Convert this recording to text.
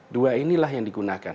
dua inilah yang digunakan